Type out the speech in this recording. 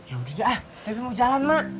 yaudah deh ah tepi mau jalan mak